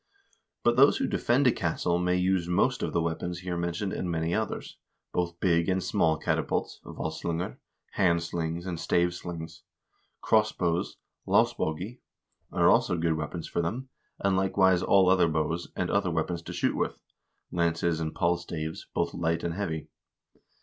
" But those who defend a castle may use most of the weapons here mentioned and many others ; both big and small catapults (val styngur), hand slings, and stave slings. Crossbows (Idsbogi) are also good weapons for them, and likewise all other bows, and other weapons to shoot with, lances and palstaves, both light and heavy.